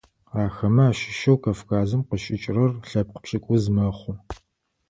Ахэмэ ащыщэу Кавказым къыщыкӏырэр лъэпкъ пшӏыкӏуз мэхъу.